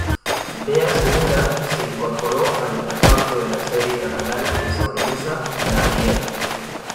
Bea Segura se incorporó al reparto de la serie catalana de sobremesa "La Riera".